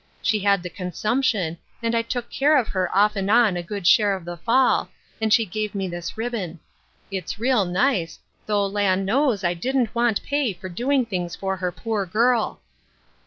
She had the consumption, and I took care of her off and on a good share of the fall, and she give me this ribbon. It's rea. nice, though land knows I didn't want pay for doing things for her poor girl.